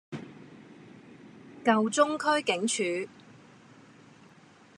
舊中區警署